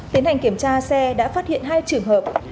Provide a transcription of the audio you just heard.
tiến hành kiểm tra xe đã phát hiện hai trường hợp